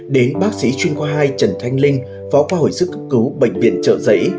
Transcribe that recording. đến bác sĩ chuyên khoa hai trần thanh linh phó khoa hồi sức cấp cứu bệnh viện trợ giấy